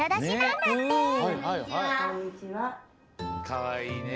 かわいいね。